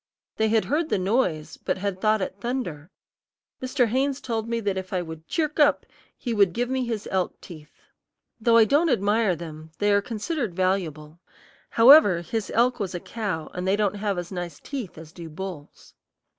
They had heard the noise, but had thought it thunder. Mr. Haynes told me that if I would "chirk up" he would give me his elk teeth. Though I don't admire them, they are considered valuable; however, his elk was a cow, and they don't have as nice teeth as do bulls.